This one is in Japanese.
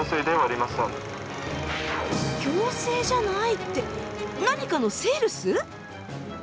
強制じゃないって何かのセールス？